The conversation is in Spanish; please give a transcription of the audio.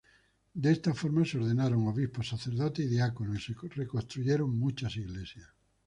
De esta forma, se ordenaron obispos, sacerdotes y diáconos y se reconstruyeron muchas iglesias.